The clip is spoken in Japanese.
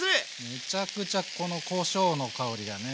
めちゃくちゃこのこしょうの香りがね。